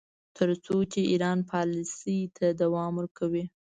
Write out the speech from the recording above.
تر څو چې ایران پالیسۍ ته دوام ورکوي.